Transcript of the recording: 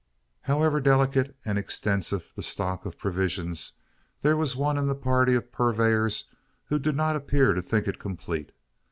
However delicate and extensive the stock of provisions, there was one in the party of purveyors who did not appear to think it complete.